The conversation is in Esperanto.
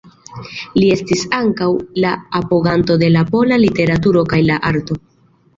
Li estis ankaŭ la apoganto de la pola literaturo kaj la arto.